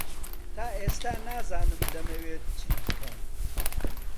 تا ئێستا نازانم دەمەوێت چی بکەم.